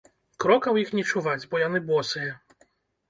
Крокаў іх не чуваць, бо яны босыя.